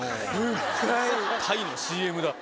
タイのＣＭだ。